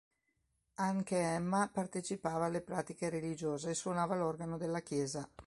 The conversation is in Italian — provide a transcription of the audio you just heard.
Anche Emma partecipava alle pratiche religiose e suonava l'organo della chiesa.